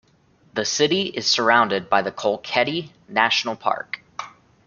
The city is surrounded by the Kolkheti National Park.